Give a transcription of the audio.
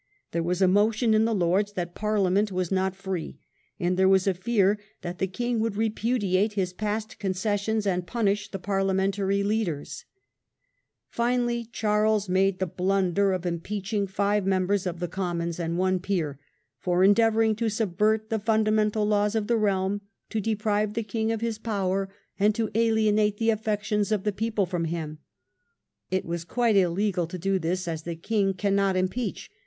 There was a motion fti the Lords that Parliament was not free, and there was a fear that the king would repudiate his past concessions and punish the Parliamentary leaders. 38 CIVIL WAR IMMINENT. Finally Charles made the blunder of impeaching five niembers of the Commons and one peer "for endeavour ing to subvert the fundamental laws of the realm, to deprive the king of his power, and to alienate the affec tions of the people from him ". It was quite illegal to do this, as the king cannot impeach.